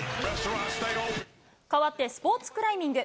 変わってスポーツクライミング。